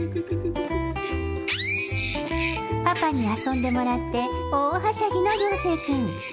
パパに遊んでもらって大はしゃぎのりょうせいくん。